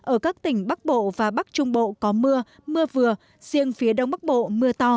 ở các tỉnh bắc bộ và bắc trung bộ có mưa mưa vừa riêng phía đông bắc bộ mưa to